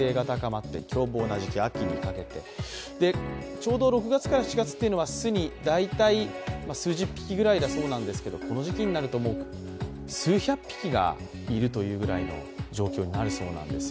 ちょうど６月から７月というのは巣に大体数十匹だそうですけどこの時期になると、数百匹がいるというくらいの状況になるそうです。